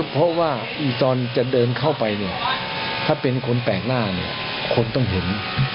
เพราะว่าตอนจะเดินเข้าไปเนี่ยถ้าเป็นคนแปลกหน้าเนี่ยคนต้องเห็น